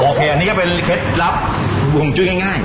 อันนี้ก็เป็นเคล็ดลับห่วงจุ้ยง่าย